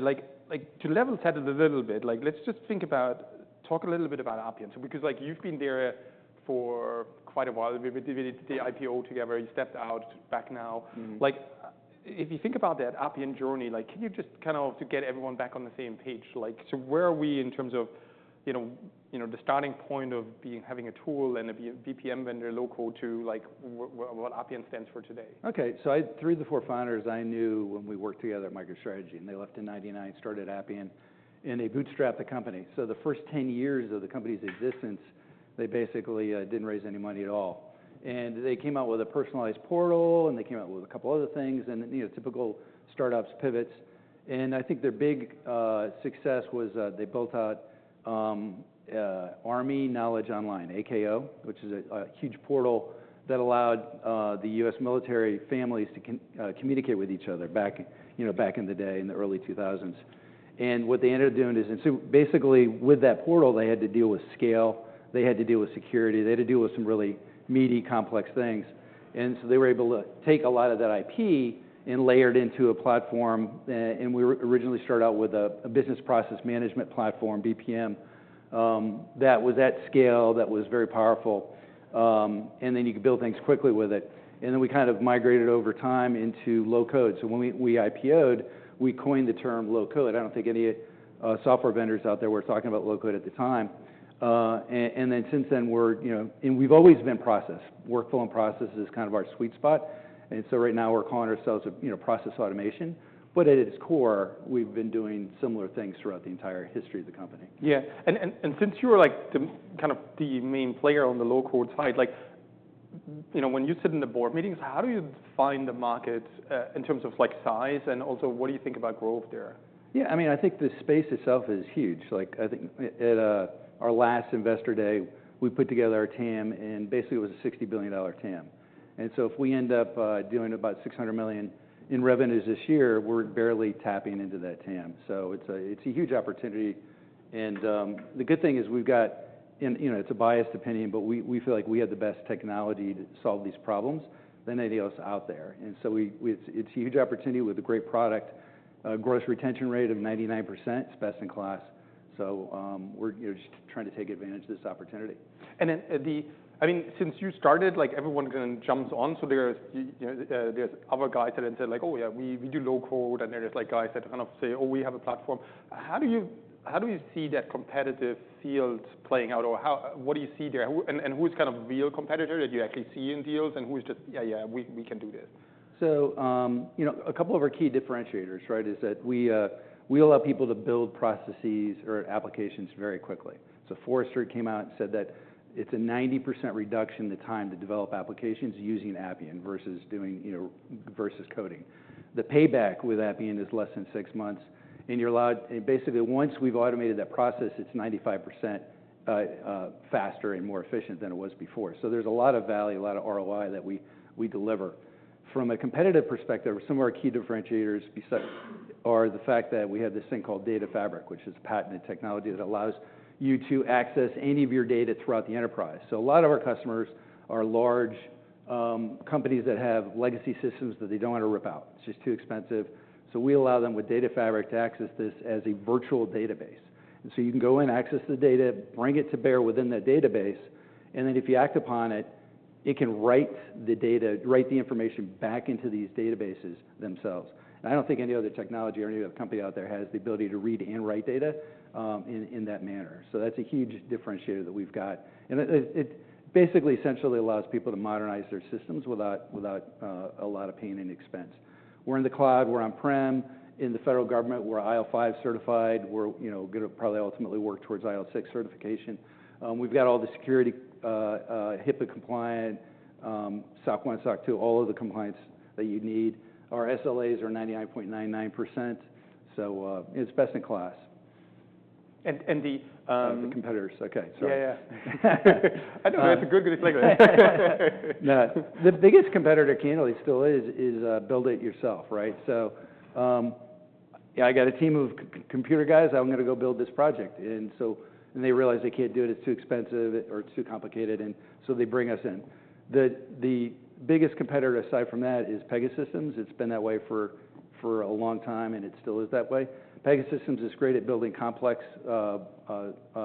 Like, to level set it a little bit, like, let's just talk a little bit about Appian, because, like, you've been there for quite a while. We did the IPO together. You stepped out, back now. Mm-hmm. Like, if you think about that Appian journey, like, can you just kind of, to get everyone back on the same page, like, so where are we in terms of, you know, the starting point of being, having a tool and a BPM vendor local to, like, what Appian stands for today? Okay. I knew the four founders when we worked together at MicroStrategy, and they left in 1999, started Appian, and they bootstrapped the company. The first 10 years of the company's existence, they basically didn't raise any money at all. They came out with a personalized portal, and they came out with a couple other things, and you know, typical startups, pivots. I think their big success was they built out Army Knowledge Online, AKO, which is a huge portal that allowed the U.S. military families to communicate with each other, you know, back in the day in the early 2000s. What they ended up doing is basically with that portal, they had to deal with scale, they had to deal with security, they had to deal with some really meaty complex things. And so they were able to take a lot of that IP and layer it into a platform. And we originally started out with a business process management platform, BPM, that was at scale, that was very powerful, and then you could build things quickly with it. And then we kind of migrated over time into low code. So when we IPO-ed, we coined the term low code. I don't think any software vendors out there were talking about low code at the time. And then since then we're, you know, and we've always been process. Workflow and process is kind of our sweet spot. And so right now we're calling ourselves a, you know, process automation. But at its core, we've been doing similar things throughout the entire history of the company. Yeah. And since you were, like, kind of the main player on the low-code side, like, you know, when you sit in the board meetings, how do you define the market, in terms of, like, size? And also, what do you think about growth there? Yeah. I mean, I think the space itself is huge. Like, I think at our last investor day, we put together our TAM, and basically it was a $60 billion TAM, and so if we end up doing about $600 million in revenues this year, we're barely tapping into that TAM, so it's a huge opportunity, and the good thing is we've got, and you know, it's a biased opinion, but we feel like we have the best technology to solve these problems than any of us out there, and so it's a huge opportunity with a great product, gross retention rate of 99%, best in class, so we're you know just trying to take advantage of this opportunity. And then the, I mean, since you started, like, everyone kind of jumps on. So there's, you know, there's other guys that enter, like, "Oh, yeah, we, we do low code," and there's, like, guys that kind of say, "Oh, we have a platform." How do you, how do you see that competitive field playing out, or how, what do you see there? And, and who's kind of a real competitor that you actually see in deals, and who's just, "Yeah, yeah, we, we can do this"? So, you know, a couple of our key differentiators, right, is that we, we allow people to build processes or applications very quickly. So Forrester came out and said that it's a 90% reduction in the time to develop applications using Appian versus doing, you know, versus coding. The payback with Appian is less than six months, and you're allowed, and basically once we've automated that process, it's 95% faster and more efficient than it was before. So there's a lot of value, a lot of ROI that we, we deliver. From a competitive perspective, some of our key differentiators besides are the fact that we have this thing called Data Fabric, which is a patented technology that allows you to access any of your data throughout the enterprise. So a lot of our customers are large companies that have legacy systems that they don't want to rip out. It's just too expensive. So we allow them with Data Fabric to access this as a virtual database. And so you can go in, access the data, bring it to bear within that database, and then if you act upon it, it can write the data, write the information back into these databases themselves. And I don't think any other technology or any other company out there has the ability to read and write data in that manner. So that's a huge differentiator that we've got. And it basically essentially allows people to modernize their systems without a lot of pain and expense. We're in the cloud, we're on-prem, in the federal government, we're IL5 certified, we're, you know, gonna probably ultimately work towards IL6 certification. We've got all the security, HIPAA compliant, SOC 1, SOC 2, all of the compliance that you need. Our SLAs are 99.99%, so it's best in class. And the, The competitors. Okay. Sorry. Yeah, yeah. I know that's a good, good example. The biggest competitor candidly still is build it yourself, right? So, yeah, I got a team of computer guys. I'm gonna go build this project. And they realize they can't do it. It's too expensive, or it's too complicated, and so they bring us in. The biggest competitor aside from that is Pegasystems. It's been that way for a long time, and it still is that way. Pegasystems is great at building complex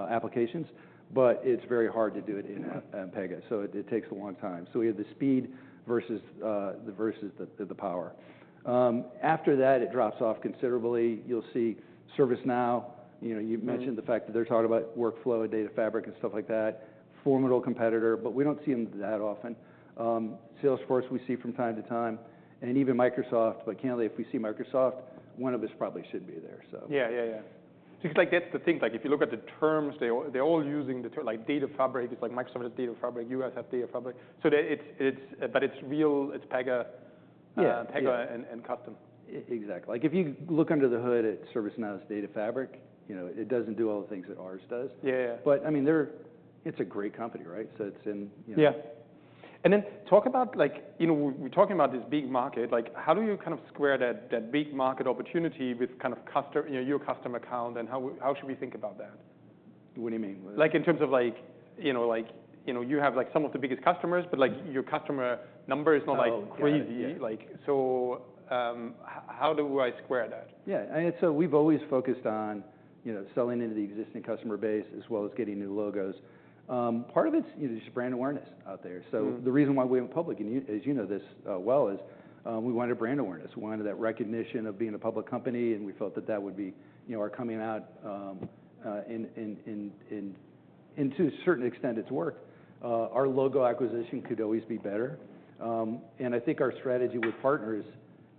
applications, but it's very hard to do it in Pega. So it takes a long time. So we have the speed versus the power. After that, it drops off considerably. You'll see ServiceNow. You know, you mentioned the fact that they're talking about workflow, Data Fabric, and stuff like that. Formidable competitor, but we don't see them that often. Salesforce we see from time to time. And even Microsoft, but frankly, if we see Microsoft, one of us probably should be there, so. Yeah, yeah, yeah. Because, like, that's the thing, like, if you look at the terms, they're all using the term, like, Data Fabric is like Microsoft has Data Fabric, you guys have Data Fabric. So that's it, but it's real, it's Pega. Yeah. Pega and custom. Exactly. Like, if you look under the hood at ServiceNow is Data Fabric, you know, it doesn't do all the things that ours does. Yeah, yeah. But I mean, it's a great company, right? So it's in, you know. Yeah. And then talk about, like, you know, we're talking about this big market, like, how do you kind of square that big market opportunity with kind of custom, you know, your customer account, and how should we think about that? What do you mean? Like, in terms of, like, you know, like, you know, you have, like, some of the biggest customers, but, like, your customer number is not, like, crazy. Oh, crazy. Like, so, how do I square that? Yeah. And so we've always focused on, you know, selling into the existing customer base as well as getting new logos. Part of it's, you know, there's brand awareness out there. So the reason why we went public, and you, as you know this, well, is, we wanted brand awareness. We wanted that recognition of being a public company, and we felt that that would be, you know, our coming out in. To a certain extent it's worked. Our logo acquisition could always be better. And I think our strategy with partners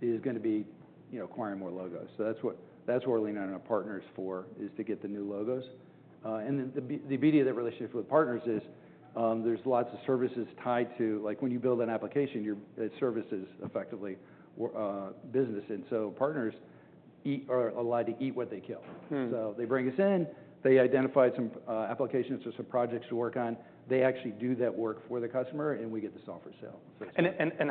is gonna be, you know, acquiring more logos. So that's what, that's what we're leaning on our partners for, is to get the new logos. And then the beauty of that relationship with partners is, there's lots of services tied to, like, when you build an application, your service is effectively business. Partners are allowed to eat what they kill. So they bring us in. They identify some applications or some projects to work on. They actually do that work for the customer, and we get the software sale.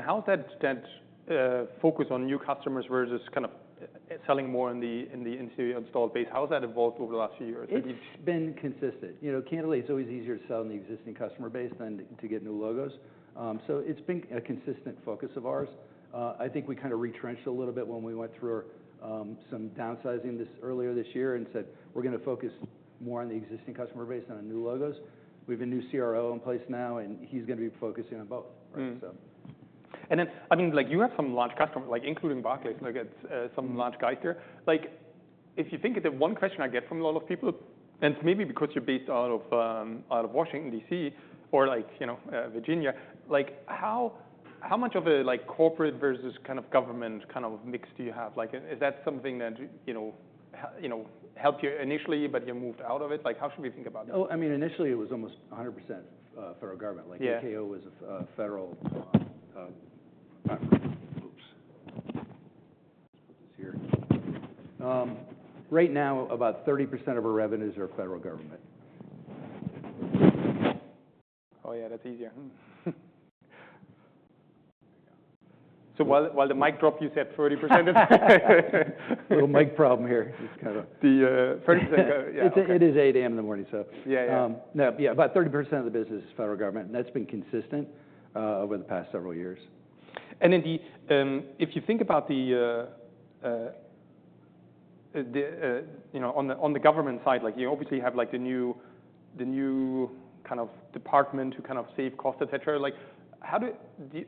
How's that focus on new customers versus kind of selling more in the installed base? How's that evolved over the last few years? It's been consistent. You know, it is always easier to sell in the existing customer base than to get new logos. So it's been a consistent focus of ours. I think we kind of retrenched a little bit when we went through some downsizing earlier this year and said, "We're gonna focus more on the existing customer base than on new logos." We have a new CRO in place now, and he's gonna be focusing on both, right? So. And then, I mean, like, you have some large customers, like, including Barclays, like, it's some large guys there. Like, if you think that one question I get from a lot of people, and it's maybe because you're based out of Washington, D.C., or like, you know, Virginia, like, how much of a, like, corporate versus kind of government kind of mix do you have? Like, is that something that, you know, you know, helped you initially, but you moved out of it? Like, how should we think about that? Oh, I mean, initially it was almost 100%, federal government. Yeah. Like, AKO was a federal. Right now, about 30% of our revenues are federal government. Oh yeah, that's easier. So while the mic drop, you said 30%. Little mic problem here. Just kind of. The, 30%. It is 8:00 A.M. in the morning, so. Yeah, yeah. No, yeah, about 30% of the business is federal government, and that's been consistent over the past several years. And then, if you think about the, you know, on the government side, like, you obviously have, like, the new kind of department to kind of save cost, et cetera. Like, how do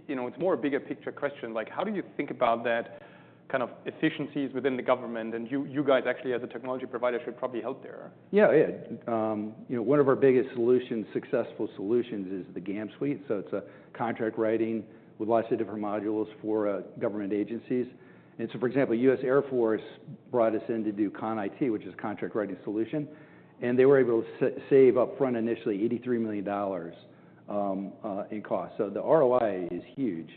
you know, it's more a bigger picture question. Like, how do you think about that kind of efficiencies within the government? And you guys actually, as a technology provider, should probably help there. Yeah, yeah. You know, one of our biggest solutions, successful solutions, is the GAM suite. So it's a contract writing with lots of different modules for government agencies. And so, for example, U.S. Air Force brought us in to do CON-IT, which is a contract writing solution, and they were able to save upfront initially $83 million in cost. So the ROI is huge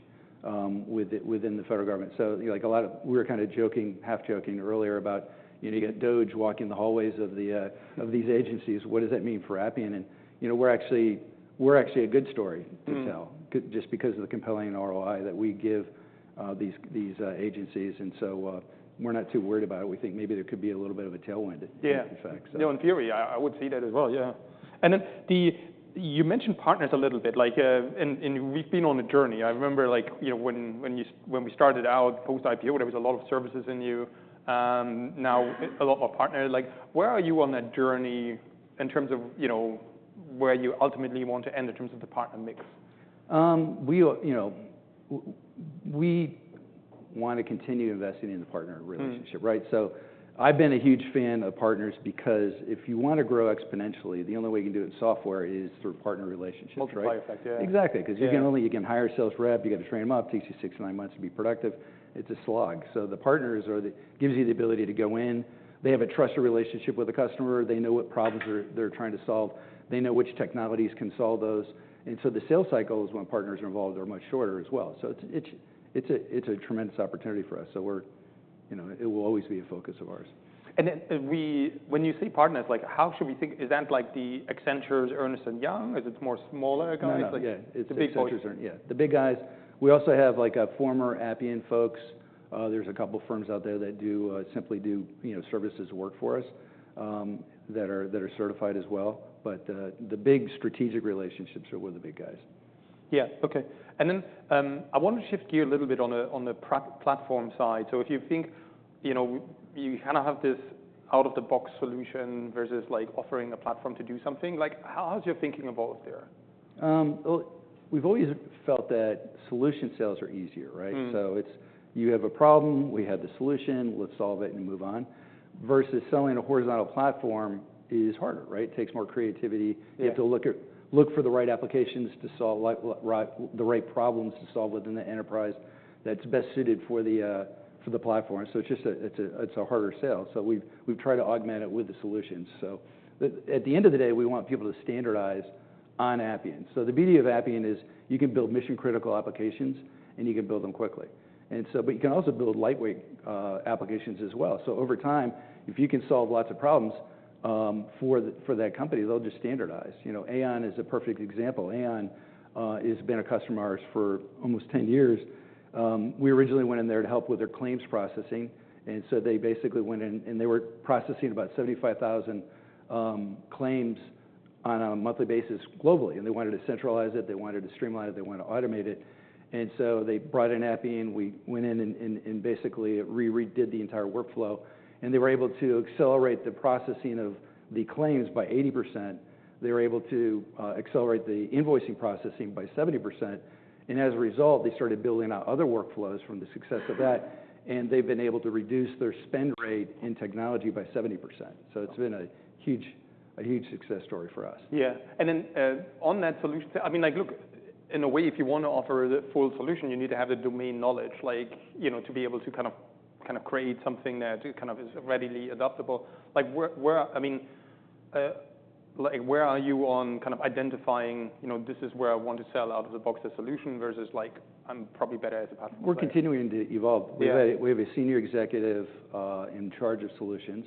with it within the federal government. So, you know, like, a lot of, we were kind of joking, half-joking earlier about, you know, you got DOGE walking the hallways of these agencies, what does that mean for Appian? And, you know, we're actually a good story to tell. Just because of the compelling ROI that we give these agencies. And so, we're not too worried about it. We think maybe there could be a little bit of a tailwind. Yeah. In fact, so. You know, in theory, I would see that as well. Yeah. And then the, you mentioned partners a little bit, like, and we've been on a journey. I remember, like, you know, when we started out post-IPO, there was a lot of services, you know. Now a lot more partners. Like, where are you on that journey in terms of, you know, where you ultimately want to end in terms of the partner mix? We are, you know, we want to continue investing in the partner relationship, right, so I've been a huge fan of partners because if you want to grow exponentially, the only way you can do it in software is through partner relationships, right? Multiplier effect, yeah. Exactly. Because you can hire a sales rep, you got to train them up, takes you six to nine months to be productive. It's a slog, so the partners give you the ability to go in, they have a trusted relationship with the customer, they know what problems they're trying to solve, they know which technologies can solve those. And so the sales cycles when partners are involved are much shorter as well, so it's a tremendous opportunity for us, so we're, you know, it will always be a focus of ours. Then we, when you say partners, like, how should we think? Is that like the Accenture, Ernst & Young? Is it more smaller guys? Like, the big boys? No, yeah. It's Accentures and, yeah, the big guys. We also have, like, former Appian folks. There's a couple of firms out there that simply do, you know, services work for us, that are certified as well. But, the big strategic relationships are with the big guys. Yeah. Okay. And then, I want to shift gear a little bit on the platform side. So if you think, you know, you kind of have this out-of-the-box solution versus, like, offering a platform to do something, like, how's your thinking evolved there? Well, we've always felt that solution sales are easier, right? Mm-hmm. So it's, you have a problem, we have the solution, let's solve it and move on. Versus selling a horizontal platform is harder, right? It takes more creativity. Yeah. You have to look for the right applications to solve, like, right, the right problems to solve within the enterprise that's best suited for the platform. So it's just a harder sale. So we've tried to augment it with the solutions. So at the end of the day, we want people to standardize on Appian. So the beauty of Appian is you can build mission-critical applications and you can build them quickly. And so, but you can also build lightweight applications as well. So over time, if you can solve lots of problems for that company, they'll just standardize. You know, Aon is a perfect example. Aon has been a customer of ours for almost 10 years. We originally went in there to help with their claims processing. And so they basically went in and they were processing about 75,000 claims on a monthly basis globally. And they wanted to centralize it, they wanted to streamline it, they wanted to automate it. And so they brought in Appian, we went in and basically redid the entire workflow. And they were able to accelerate the processing of the claims by 80%. They were able to accelerate the invoicing processing by 70%. And as a result, they started building out other workflows from the success of that. And they've been able to reduce their spend rate in technology by 70%. So it's been a huge success story for us. Yeah. And then, on that solution, I mean, like, look, in a way, if you want to offer the full solution, you need to have the domain knowledge, like, you know, to be able to kind of create something that kind of is readily adoptable. Like, where, I mean, like, where are you on kind of identifying, you know, this is where I want to sell out-of-the-box a solution versus, like, I'm probably better as a platform? We're continuing to evolve. Yeah. We have a senior executive in charge of solutions.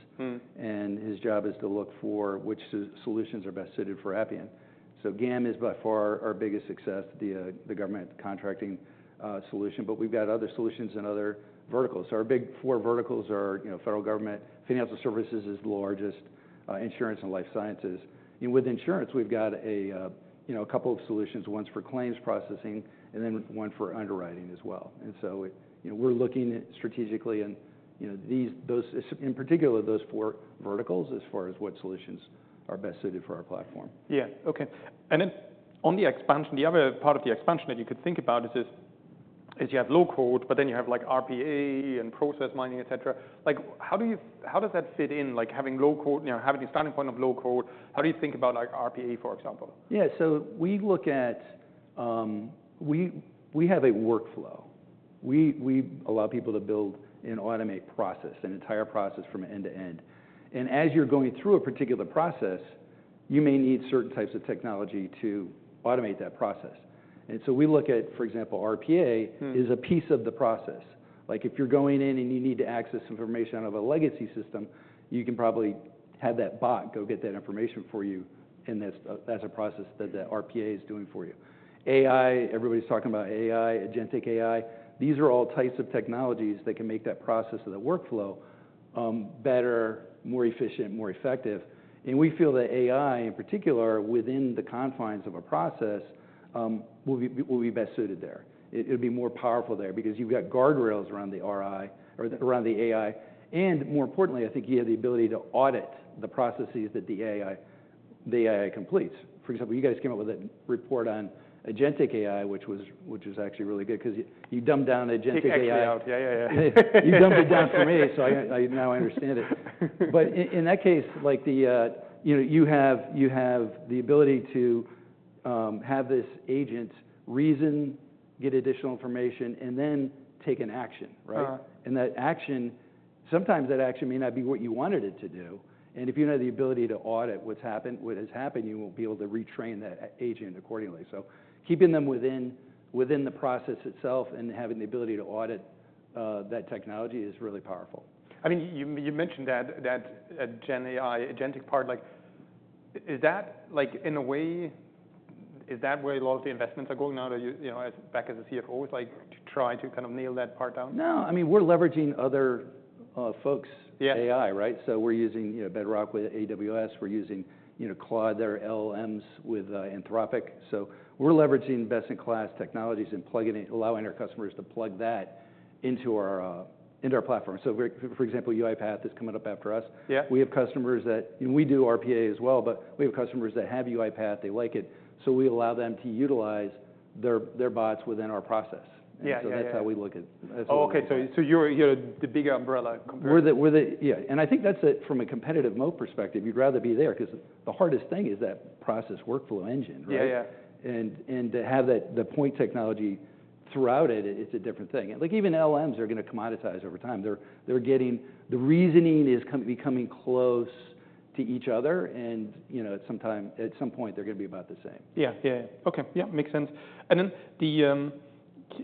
His job is to look for which solutions are best suited for Appian. GAM is by far our biggest success, the government contracting solution. We've got other solutions in other verticals. Our big four verticals are, you know, federal government, financial services is the largest, insurance and life sciences. With insurance, we've got, you know, a couple of solutions, one's for claims processing and then one for underwriting as well. So, you know, we're looking strategically and, you know, those in particular, those four verticals as far as what solutions are best suited for our platform. Yeah. Okay, and then on the expansion, the other part of the expansion that you could think about is this: you have low-code, but then you have, like, RPA and process mining, et cetera. Like, how do you, how does that fit in? Like, having low-code, you know, having a starting point of low-code, how do you think about, like, RPA, for example? Yeah, so we look at, we have a workflow. We allow people to build and automate process, an entire process from end to end. And as you're going through a particular process, you may need certain types of technology to automate that process. And so we look at, for example, RPA. Is a piece of the process. Like, if you're going in and you need to access information out of a legacy system, you can probably have that bot go get that information for you in that, as a process that the RPA is doing for you. AI, everybody's talking about AI, agentic AI. These are all types of technologies that can make that process of the workflow, better, more efficient, more effective. And we feel that AI, in particular, within the confines of a process, will be best suited there. It'll be more powerful there because you've got guardrails around the RPA or around the AI. And more importantly, I think you have the ability to audit the processes that the AI completes. For example, you guys came up with a report on agentic AI, which was actually really good because you dumbed down agentic AI. Agentic AI. Yeah, yeah, yeah. You dumbed it down for me, so I now understand it. But in that case, like, you know, you have the ability to have this agent reason, get additional information, and then take an action, right? Uh-huh. And that action, sometimes that action may not be what you wanted it to do. And if you don't have the ability to audit what's happened, what has happened, you won't be able to retrain that agent accordingly. So keeping them within the process itself and having the ability to audit, that technology is really powerful. I mean, you mentioned that GenAI agentic part, like, is that, like, in a way, is that where a lot of the investments are going now? Are you, you know, as a CFO, like, to try to kind of nail that part down? No. I mean, we're leveraging other, folks. Yeah. AI, right? So we're using, you know, Bedrock with AWS. We're using, you know, Claude, their LLMs with Anthropic. So we're leveraging best-in-class technologies and plugging it, allowing our customers to plug that into our, into our platform. So for example, UiPath is coming up after us. Yeah. We have customers that, and we do RPA as well, but we have customers that have UiPath. They like it. So we allow them to utilize their bots within our process. Yeah. And so that's how we look at it. Oh, okay. So, you're the bigger umbrella compared to. We're there, yeah. And I think that's it from a competitive moat perspective. You'd rather be there because the hardest thing is that process workflow engine, right? Yeah, yeah. To have that, the point technology throughout it, it's a different thing. Like, even LLMs are going to commoditize over time. They're getting, the reasoning is becoming close to each other. You know, at some point, they're going to be about the same. Yeah, yeah, yeah. Okay. Yeah. Makes sense. And then,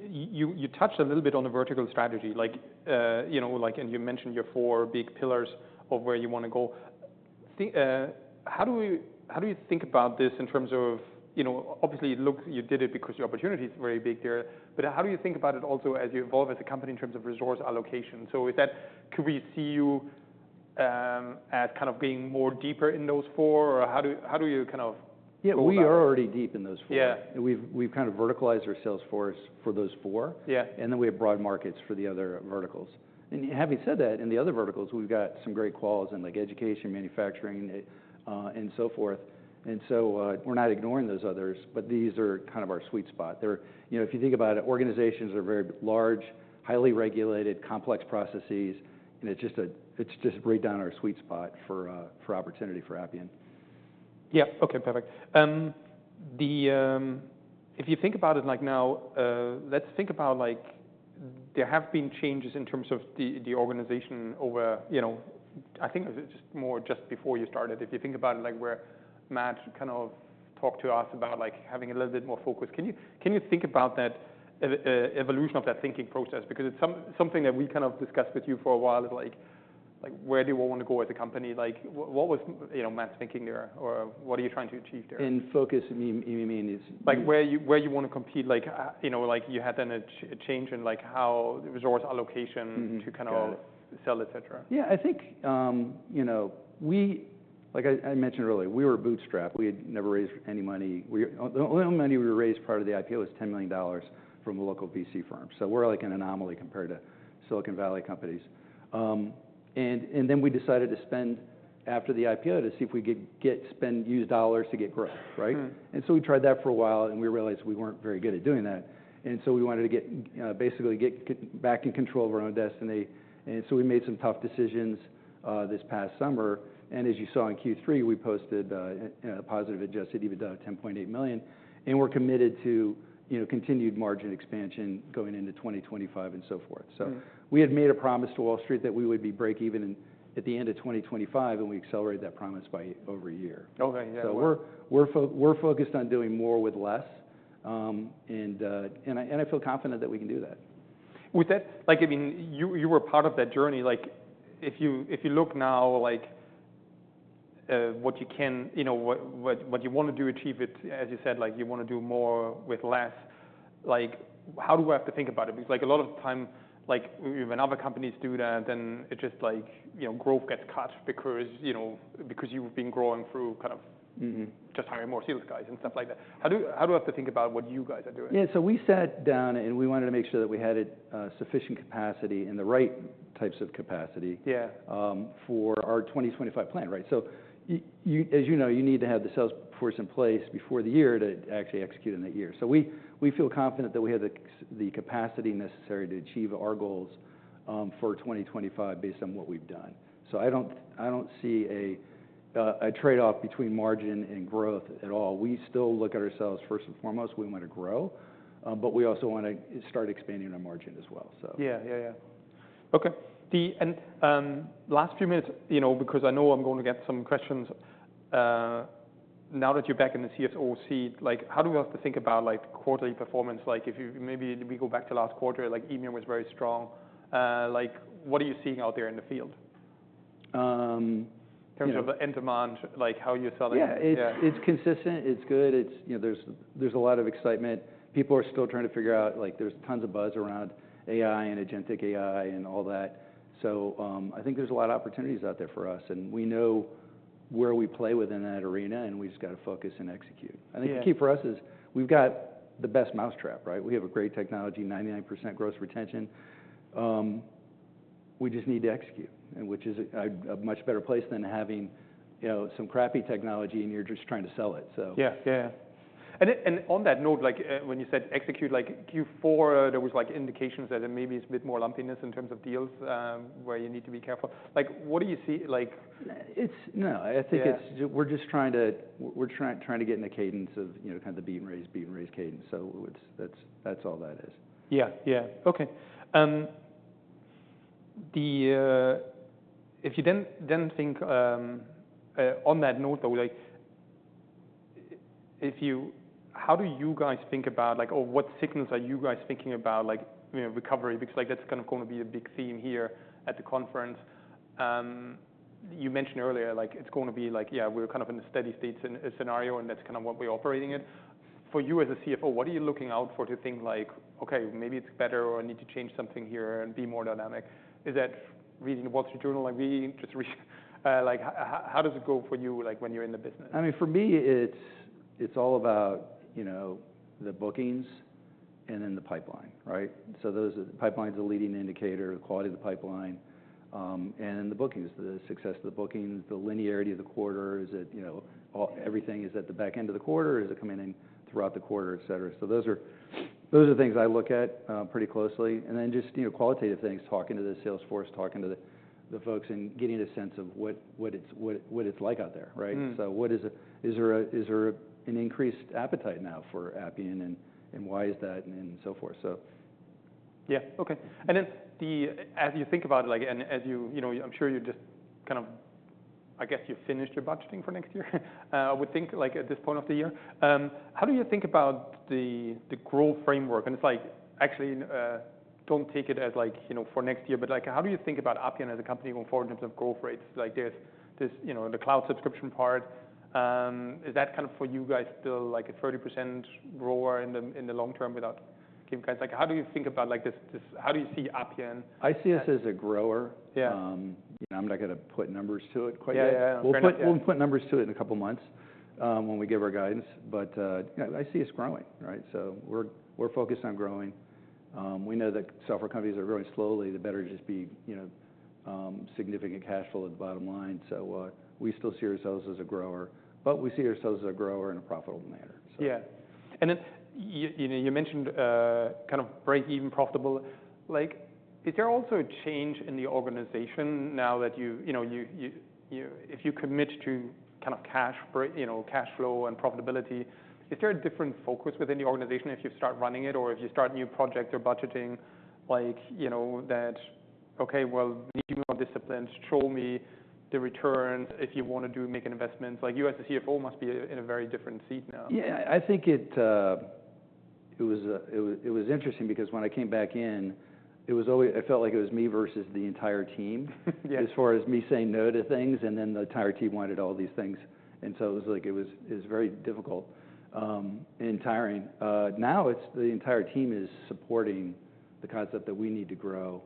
you touched a little bit on the vertical strategy. Like, you know, like, and you mentioned your four big pillars of where you want to go. How do you think about this in terms of, you know, obviously it looks, you did it because your opportunity is very big there. But how do you think about it also as you evolve as a company in terms of resource allocation? So is that, could we see you as kind of getting more deeper in those four, or how do you kind of evolve? Yeah. We are already deep in those four. Yeah. We've kind of verticalized our Salesforce for those four. Yeah. Then we have broad markets for the other verticals. Having said that, in the other verticals, we've got some great quals in, like, education, manufacturing, and so forth. So, we're not ignoring those others, but these are kind of our sweet spot. They're, you know, if you think about it, organizations are very large, highly regulated, complex processes, and it's just right down our sweet spot for opportunity for Appian. Yeah. Okay. Perfect. The, if you think about it, like, now, let's think about, like, there have been changes in terms of the organization over, you know, I think it's just more, just before you started. If you think about it, like, where Matt kind of talked to us about, like, having a little bit more focus. Can you think about that evolution of that thinking process? Because it's something that we kind of discussed with you for a while. It's like, where do you want to go as a company? Like, what was, you know, Matt's thinking there or what are you trying to achieve there? In focus, you mean is. Like, where you want to compete, like, you know, like you had then a change in, like, how resource allocation. Mm-hmm. To kind of sell, et cetera. Yeah. I think, you know, we, like I mentioned earlier, we were bootstrapped. We had never raised any money. The only money we raised prior to the IPO was $10 million from a local VC firm. So we're like an anomaly compared to Silicon Valley companies. And then we decided to spend after the IPO to see if we could get, spend, use dollars to get growth, right? Mm-hmm. And so we tried that for a while and we realized we weren't very good at doing that. And so we wanted to get, basically, get back in control of our own destiny. And so we made some tough decisions, this past summer. And as you saw in Q3, we posted a positive adjusted EBITDA of $10.8 million. And we're committed to, you know, continued margin expansion going into 2025 and so forth. So we had made a promise to Wall Street that we would be break-even at the end of 2025, and we accelerated that promise by over a year. Okay. Yeah. So we're focused on doing more with less. And I feel confident that we can do that. With that, like, I mean, you were part of that journey. Like, if you look now, like, what you can, you know, what you want to do, achieve it, as you said, like, you want to do more with less. Like, how do we have to think about it? Because like, a lot of time, like, when other companies do that, then it just like, you know, growth gets cut because, you know, you've been growing through kind of. Mm-hmm. Just hiring more sales guys and stuff like that. How do, how do we have to think about what you guys are doing? Yeah, so we sat down and we wanted to make sure that we had a sufficient capacity and the right types of capacity. Yeah. For our 2025 plan, right? So you, as you know, you need to have the sales force in place before the year to actually execute in that year. So we feel confident that we have the capacity necessary to achieve our goals for 2025 based on what we've done. So I don't see a trade-off between margin and growth at all. We still look at ourselves first and foremost. We want to grow, but we also want to start expanding our margin as well. So. Okay. In the last few minutes, you know, because I know I'm going to get some questions, now that you're back in the CFO seat, like, how do we have to think about, like, quarterly performance? Like, if you, maybe we go back to last quarter, like EBITDA was very strong. Like, what are you seeing out there in the field? In terms of the end demand, like how you're selling. Yeah. It's consistent. It's good. It's, you know, there's a lot of excitement. People are still trying to figure out, like, there's tons of buzz around AI and agentic AI and all that. So, I think there's a lot of opportunities out there for us. And we know where we play within that arena, and we just got to focus and execute. I think the key for us is we've got the best mousetrap, right? We have a great technology, 99% gross retention. We just need to execute, which is a much better place than having, you know, some crappy technology and you're just trying to sell it. So. Yeah. And on that note, like, when you said execute, like Q4, there was like indications that there maybe is a bit more lumpiness in terms of deals, where you need to be careful. Like, what do you see? Like. No, I think it's just we're trying to get in the cadence of, you know, kind of the beat and raise, beat and raise cadence. So that's all that is. Yeah. Yeah. Okay. If you then think on that note, though, like, how do you guys think about, like, or what signals are you guys thinking about, like, you know, recovery? Because, like, that's kind of going to be a big theme here at the conference. You mentioned earlier, like, it's going to be like, yeah, we're kind of in a steady state scenario, and that's kind of what we're operating in. For you as a CFO, what are you looking out for to think like, okay, maybe it's better or I need to change something here and be more dynamic? Is that reading the Wall Street Journal? Like, reading, just reading, like, how does it go for you, like, when you're in the business? I mean, for me, it's all about, you know, the bookings and then the pipeline, right? So the pipeline is a leading indicator, the quality of the pipeline. And then the bookings, the success of the bookings, the linearity of the quarter, is it, you know, everything at the back end of the quarter? Is it coming in throughout the quarter, et cetera? So those are things I look at pretty closely. And then just, you know, qualitative things, talking to the salesforce, talking to the folks and getting a sense of what it's like out there, right? Mm-hmm. So what is, is there an increased appetite now for Appian and why is that and so forth? So. Yeah. Okay. And then, as you think about it, like, and as you, you know, I'm sure you just kind of, I guess, finished your budgeting for next year, I would think like at this point of the year. How do you think about the growth framework? And it's like, actually, don't take it as like, you know, for next year, but like, how do you think about Appian as a company going forward in terms of growth rates? Like there's this, you know, the cloud subscription part. Is that kind of for you guys still like a 30% grower in the long term without giving guidance? Like, how do you think about this? How do you see Appian? I see us as a grower. Yeah. You know, I'm not going to put numbers to it quite yet. Yeah. Yeah. We'll put numbers to it in a couple of months, when we give our guidance. But I see us growing, right? So we're focused on growing. We know that software companies are growing slowly. The better to just be, you know, significant cash flow at the bottom line. So we still see ourselves as a grower, but we see ourselves as a grower in a profitable manner. So. Yeah. And then you know, you mentioned kind of break-even, profitable. Like, is there also a change in the organization now that you know, if you commit to kind of cash you know, cash flow and profitability, is there a different focus within the organization if you start running it or if you start new projects or budgeting? Like, you know, that, okay, well, need more discipline, show me the return if you want to do make investments. Like you as a CFO must be in a very different seat now. Yeah. I think it was interesting because when I came back in, it was always. I felt like it was me versus the entire team. Yeah. As far as me saying no to things and then the entire team wanted all these things. And so it was like, it was very difficult, and tiring. Now it's the entire team is supporting the concept that we need to grow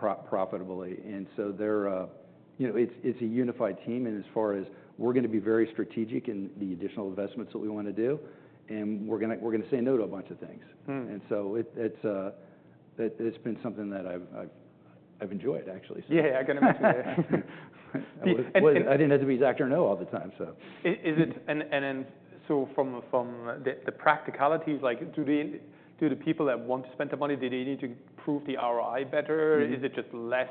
profitably. And so they're, you know, it's a unified team. And as far as we're going to be very strategic in the additional investments that we want to do, and we're going to say no to a bunch of things. And so it's been something that I've enjoyed, actually. Yeah. Yeah. I can imagine. I didn't have to be exact or know all the time. So. Is it, and then so from the practicalities, like do the people that want to spend the money, do they need to prove the ROI better? Is it just less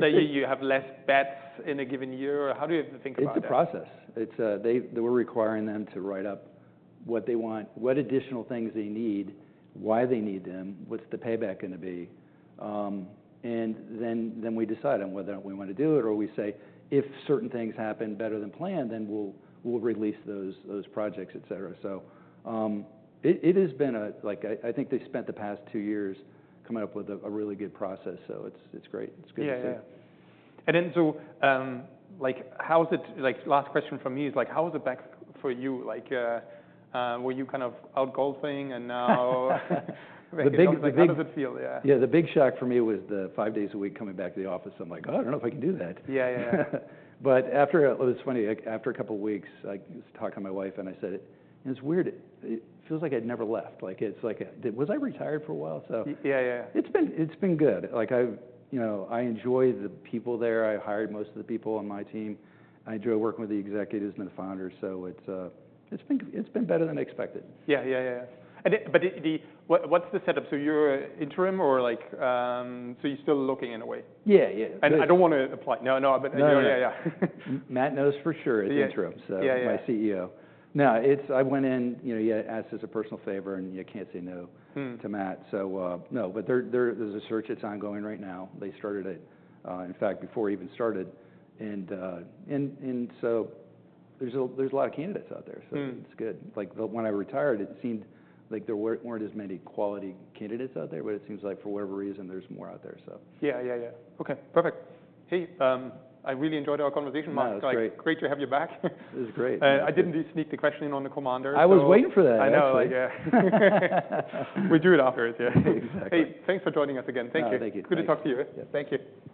that you have less bets in a given year? How do you think about it? It's a process. They were requiring them to write up what they want, what additional things they need, why they need them, what's the payback going to be, and then we decide on whether we want to do it or we say, if certain things happen better than planned, then we'll release those projects, et cetera. So, it has been a, like, I think they spent the past two years coming up with a really good process. So it's great. It's good to see. Yeah. Yeah. And then, so, like, how's it? Like, last question from me is like, how was it back for you? Like, were you kind of out golfing and now? The big. How does it feel? Yeah. Yeah. The big shock for me was the five days a week coming back to the office. I'm like, oh, I don't know if I can do that. Yeah. Yeah. But after it was funny. After a couple of weeks, I was talking to my wife and I said, "It's weird. It feels like I'd never left. Like it's like, was I retired for a while?" So. Yeah. Yeah. It's been good. Like I've, you know, I enjoy the people there. I hired most of the people on my team. I enjoy working with the executives and the founders. So it's been better than I expected. What's the setup? So you're interim or like, so you're still looking in a way? Yeah. Yeah. I don't want to apply. No, no, but no. Yeah. Yeah. Matt knows for sure it's interim. So, my CEO. No, it's. I went in, you know. You asked us a personal favor and you can't say no to Matt. So, no, but there's a search that's ongoing right now. They started it, in fact, before we even started. And so there's a lot of candidates out there. So it's good. Like when I retired, it seemed like there weren't as many quality candidates out there, but it seems like for whatever reason, there's more out there. So. Yeah. Yeah. Yeah. Okay. Perfect. Hey, I really enjoyed our conversation, Matt. That's great. Like, great to have you back. It was great. I didn't sneak the question in on the Commander. I was waiting for that. I know. Yeah. We do it afterwards. Yeah. Exactly. Hey, thanks for joining us again. Thank you. Thank you. Good to talk to you. Yeah. Thank you.